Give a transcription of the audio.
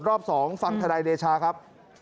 รอบ๒ฟังธนายเดชาครับ